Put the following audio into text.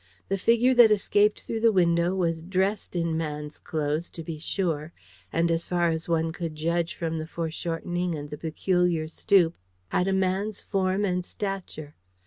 The figure that escaped through the window was dressed in man's clothes, to be sure, and as far as one could judge from the foreshortening and the peculiar stoop, had a man's form and stature.